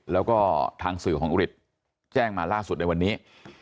แล้วก็ทางสื่อของอุฤทธิ์แจ้งมาล่าสุดในวันนี้